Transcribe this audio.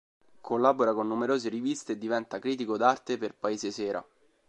Collabora con numerose riviste e diventa critico d'arte per "Paese Sera".